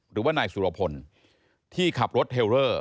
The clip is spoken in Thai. หรือว่านายสุรพลที่ขับรถเทลเลอร์